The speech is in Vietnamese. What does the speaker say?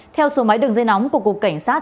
theo số máy đường dây nóng của cục cảnh sát